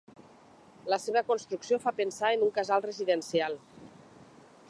La seva construcció fa pensar en un casal residencial.